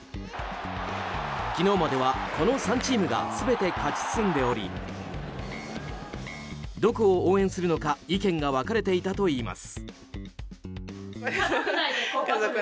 昨日までは、この３チームが全て勝ち進んでおりどこを応援するのか意見が分かれていたといいます。